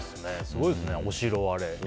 すごいですね、お城。